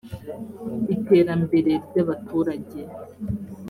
iterambere ry’abaturage